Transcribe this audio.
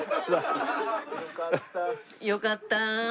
よかった。